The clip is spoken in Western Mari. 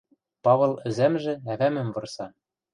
Павыл ӹзӓмжӹ ӓвӓмӹм вырса...